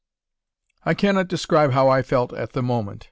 I cannot describe how I felt at the moment.